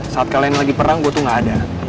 saat kalian lagi perang gue tuh gak ada